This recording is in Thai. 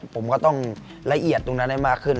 ผมก็ต้องละเอียดตรงนั้นให้มากขึ้น